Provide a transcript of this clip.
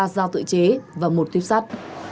ba dao tự chế và một tiếp sắt